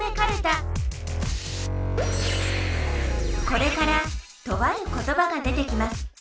これからとあることばが出てきます。